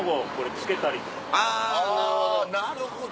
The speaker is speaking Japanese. あなるほど。